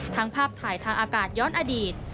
ภาพถ่ายทางอากาศย้อนอดีต